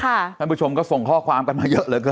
ท่านผู้ชมก็ส่งข้อความกันมาเยอะเหลือเกิน